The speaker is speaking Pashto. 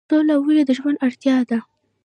سوله ولې د ژوند اړتیا ده؟